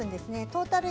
トータル